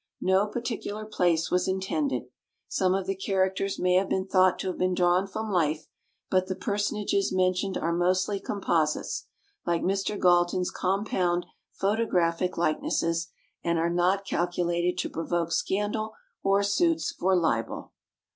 No particular place was intended. Some of the characters may have been thought to have been drawn from life; but the personages mentioned are mostly composites, like Mr. Galton's compound photographic likenesses, and are not calculated to provoke scandal or suits for libel.